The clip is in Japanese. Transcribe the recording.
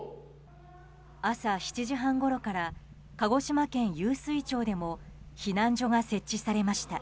朝７時半ごろから鹿児島県湧水町でも避難所が設置されました。